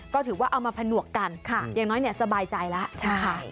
ก็ถือว่าเอามาผนวกกันอย่างน้อยสบายใจแล้ว